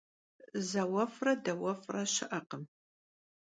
Zauef're dauef're şı'ekhım.